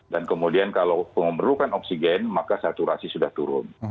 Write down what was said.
dan kemudian kalau memerlukan oksigen maka saturasi sudah turun